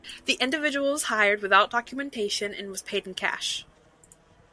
The individual was hired without documentation and was paid in cash.